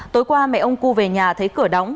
tối qua mẹ ông cu về nhà thấy cửa đóng